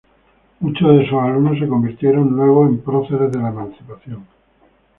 Muchos de sus alumnos se convirtieron luego en próceres de la emancipación.